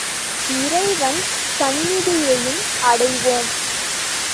இறைவன் சந்நிதியையும் அடைவோம்.